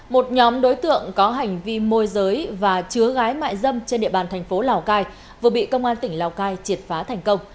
một nhóm đối tượng có hành vi môi giới và chứa gái mại dâm trên địa bàn thành phố lào cai vừa bị công an tỉnh lào cai triệt phá thành công